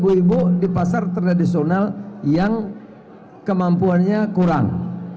ibu ibu di pasar tradisional yang kemampuannya kurang